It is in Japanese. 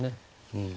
うん。